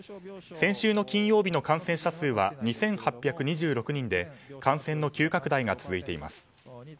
先週の金曜日の感染者数は２８２６人で感染の急拡大が続いています。